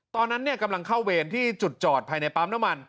ตอนนั้นกำลังเข้าเวรที่จุดจอดภายในปั๊มน้ำมัน